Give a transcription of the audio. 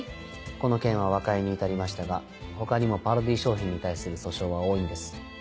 この件は和解に至りましたが他にもパロディー商品に対する訴訟は多いんです。